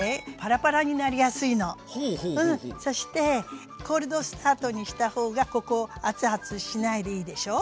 そしてコールドスタートにした方がここ熱々しないでいいでしょう？